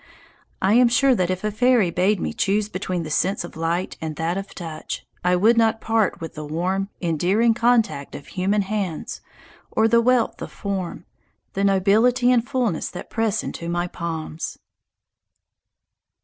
I am sure that if a fairy bade me choose between the sense of light and that of touch, I would not part with the warm, endearing contact of human hands or the wealth of form, the nobility and fullness that press into my palms.